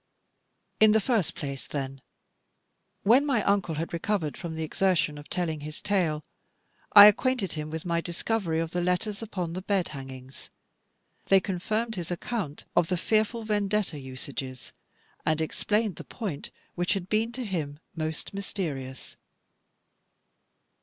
In the first place then, when my Uncle had recovered from the exertion of telling his tale, I acquainted him with my discovery of the letters upon the bed hangings. They confirmed his account of the fearful Vendetta usages, and explained the point which had been to him most mysterious.